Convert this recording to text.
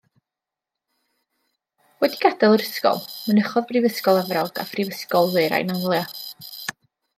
Wedi gadael yr ysgol mynychodd Brifysgol Efrog a Phrifysgol Ddwyrain Anglia.